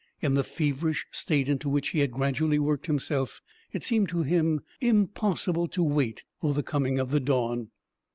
In the feverish state into which he had gradually worked himself it seemed to him impossible to wait the coming of the dawn.